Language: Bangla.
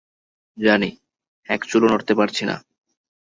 জনি, একচুলও নড়তে পারছি না।